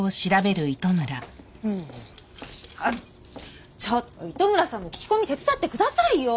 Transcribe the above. あっちょっと糸村さんも聞き込み手伝ってくださいよ！